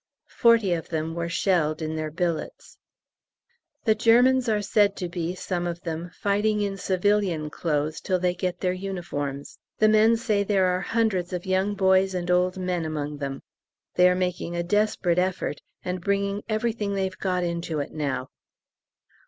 Forty of them were shelled in their billets. The Germans are said to be, some of them, fighting in civilian clothes till they get their uniforms. The men say there are hundreds of young boys and old men among them; they are making a desperate effort and bringing everything they've got into it now.